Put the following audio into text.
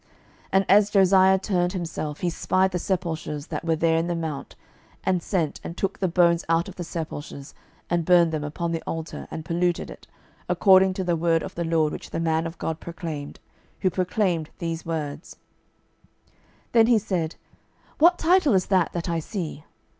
12:023:016 And as Josiah turned himself, he spied the sepulchres that were there in the mount, and sent, and took the bones out of the sepulchres, and burned them upon the altar, and polluted it, according to the word of the LORD which the man of God proclaimed, who proclaimed these words. 12:023:017 Then he said, What title is that that I see?